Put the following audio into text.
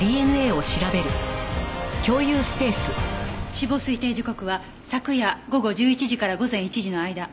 死亡推定時刻は昨夜午後１１時から午前１時の間。